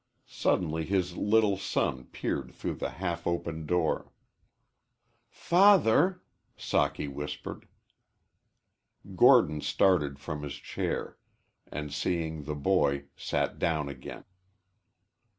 Suddenly his little son peered through the halfopen door. "Father," Socky whispered. Gordon started from his chair, and, seeing the boy, sat down again.